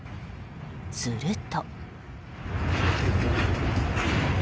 すると。